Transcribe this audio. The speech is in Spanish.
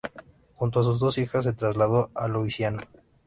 Junto a sus dos hijas se trasladó a Louisiana.